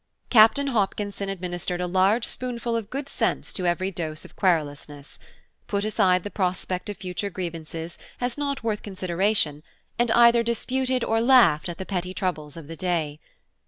Captain Hopkinson administered a large spoonful of good sense to every dose of querulousness–put aside the prospect of future grievances, as not worth consideration, and either disputed or laughed at the petty troubles of the day.